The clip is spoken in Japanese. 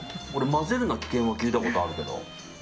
混ぜるな危険は聞いたことあるけど。